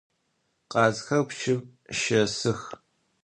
Khazxer psım şêsıx.